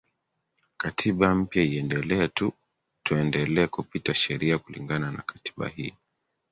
katiba mpya iendelee tu tuendelea kupita sheria kulingana na katiba hii